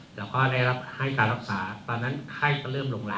ตอนนั้นไข้จะเริ่มลงละ